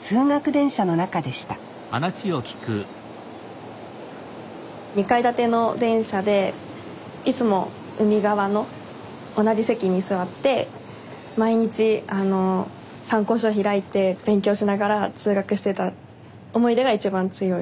通学電車の中でした２階建ての電車でいつも海側の同じ席に座って毎日参考書開いて勉強しながら通学してた思い出が一番強い。